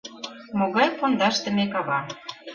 Могай пундашдыме кава!